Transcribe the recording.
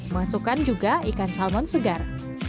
masukkan juga ikan salmon segar